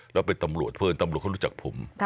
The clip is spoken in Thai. แล้วเป็นตำรวจเพื่อนตำรวจเขารู้จักผม